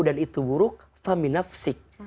dan itu buruk faminafsik